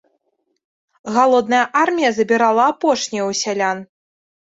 Галодная армія забірала апошняе ў сялян.